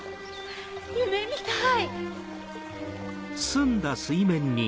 夢みたい。